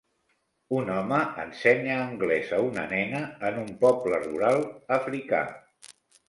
Un home ensenya anglès a una nena en un poble rural africà.